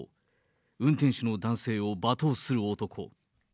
運転手の男性を罵倒する男。